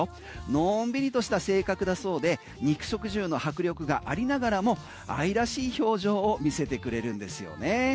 のんびりとした性格だそうで肉食獣の迫力がありながらも愛らしい表情を見せてくれるんですよね。